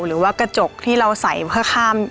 หรือว่ากระจกที่เราใส่เพื่อข้าม